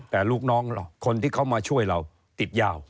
แต่ลูกน้องคนที่เขามาช่วยเราติดยาว